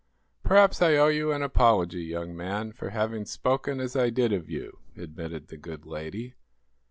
"Perhaps I owe you an apology, young man, for having spoken as I did of you," admitted the good lady.